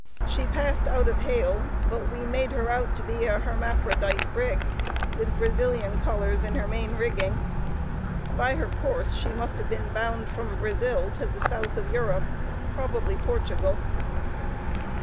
She passed out of hail, but we made her out to be an hermaphrodite brig, with Brazilian colors in her main rigging. By her course, she must have been bound from Brazil to the south of Europe, probably Portugal.